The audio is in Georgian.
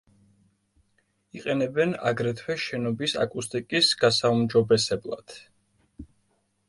იყენებენ აგრეთვე შენობის აკუსტიკის გასაუმჯობესებლად.